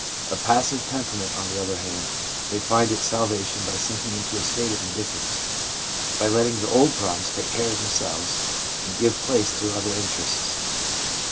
A passive temperament, on the other hand, may find its salvation by sinking into a state of indifference, by letting the old problems take care of themselves and give place to other interests.